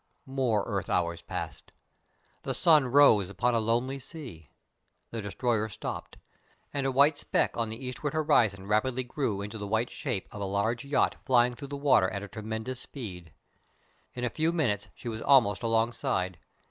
More earth hours passed. The sun rose upon a lonely sea. The destroyer stopped, and a white speck on the eastward horizon rapidly grew into the white shape of a large yacht flying through the water at a tremendous speed. In a few minutes she was almost alongside.